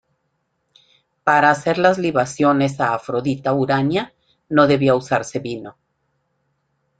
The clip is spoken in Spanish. Para hacer las libaciones a "Afrodita Urania" no debía usarse vino.